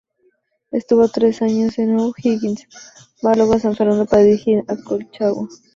Estuvo tres años en O’Higgins, va luego a San Fernando para dirigir a Colchagua.